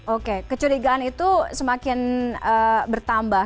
oke kecurigaan itu semakin bertambah